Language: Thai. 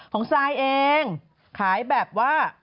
ขายแบบว่า